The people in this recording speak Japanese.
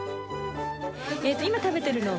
今食べてるのは？